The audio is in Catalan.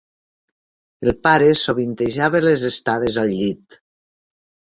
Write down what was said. El pare sovintejava les estades al llit.